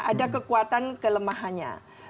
ada kekuatan kelemahannya